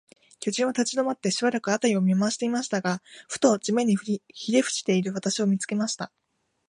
巨人は立ちどまって、しばらく、あたりを見まわしていましたが、ふと、地面にひれふしている私を、見つけました。